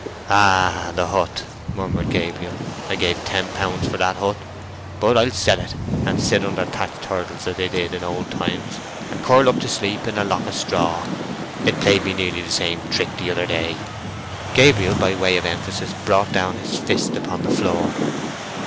"Ah, the hut!" murmured Gabriel. "I gave ten pounds for that hut. But I'll sell it, and sit under thatched hurdles as they did in old times, and curl up to sleep in a lock of straw! It played me nearly the same trick the other day!" Gabriel, by way of emphasis, brought down his fist upon the floor.